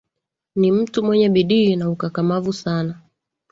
Ni mtu mwenye bidii na ukakamavu sana